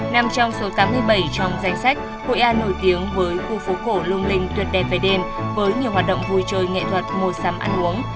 nằm trong số tám mươi bảy trong danh sách hội an nổi tiếng với khu phố cổ lung linh tuyệt đẹp về đêm với nhiều hoạt động vui chơi nghệ thuật mua sắm ăn uống